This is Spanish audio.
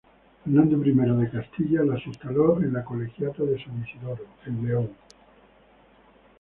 Fernando I de Castilla las instaló en la colegiata de San Isidoro, en León.